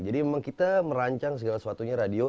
jadi memang kita merancang segala suatunya radio